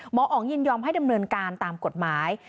หมออ๋องยินยอมให้ดำเนินการตามกฎหมาย